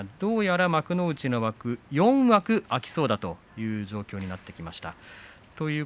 幕内４枠空きそうだという状況になってきました。